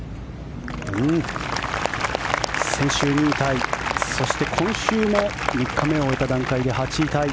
先週２位タイそして今週も３日目を終えた段階で８位タイ。